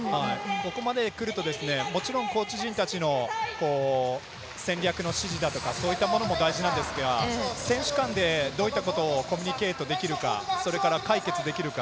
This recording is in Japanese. ここまでくるとコーチ陣たちの戦略の指示などそういったものも大事なんですが選手間で、どういったことをコミュニケートできるか解決できるか。